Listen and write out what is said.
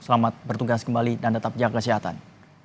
selamat bertugas kembali dan tetap jaga kesehatan